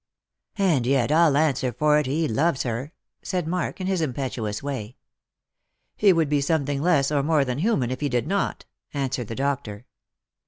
" And yet I'll answer for it he loves her," said Mark, in his impetuous way. "He would be something less, or more, than human if he did not," answered the doctor.